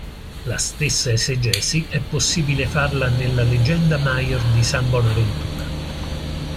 La stessa esegesi è possibile farla nella Legenda Maior di san Bonaventura.